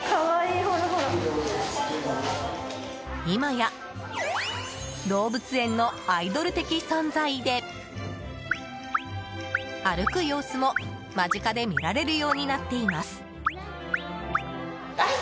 今や動物園のアイドル的存在で歩く様子も間近で見られるようになっています。